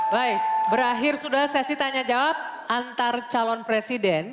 baik berakhir sudah sesi tanya jawab antar calon presiden